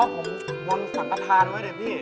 แต่ว่าผมบนสังฆาตด้วยด้วยพี่